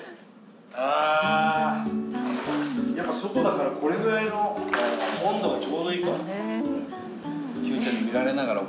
ああやっぱ外だからこれぐらいの温度がちょうどいいかも。